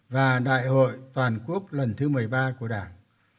và đại hội toàn quốc lần thứ một mươi ba của đảng